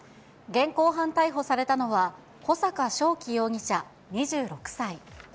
現行犯逮捕されたのは、小阪渉生容疑者２６歳。